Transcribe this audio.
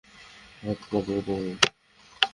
হাত কাটব তোমার।